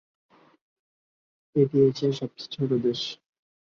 এটি এশিয়ার সবচেয়ে ছোট দেশ।